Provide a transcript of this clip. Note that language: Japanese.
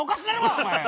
お前。